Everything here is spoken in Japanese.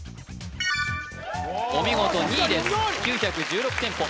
お見事２位です９１６店舗